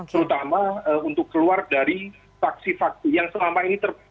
terutama untuk keluar dari saksi saksi yang selama ini